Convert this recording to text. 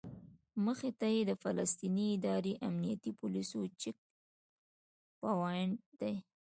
مخې ته یې د فلسطیني ادارې امنیتي پولیسو چیک پواینټ دی.